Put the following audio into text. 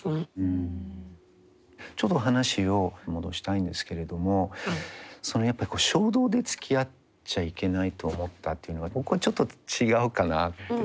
ちょっと話を戻したいんですけれどもやっぱり衝動でつきあっちゃいけないと思ったっていうのは僕はちょっと違うかなって。